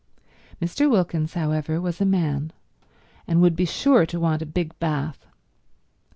Mr. Wilkins, however, was a man, and would be sure to want a big bath.